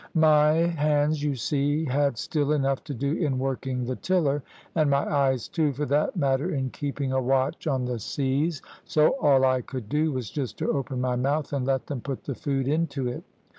My hands, you see, had still enough to do in working the tiller, and my eyes, too, for that matter, in keeping a watch on the seas; so all I could do was just to open my mouth and let them put the food into it.